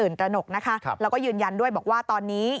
ตระหนกนะคะแล้วก็ยืนยันด้วยบอกว่าตอนนี้